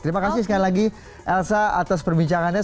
terima kasih sekali lagi elsa atas perbincangannya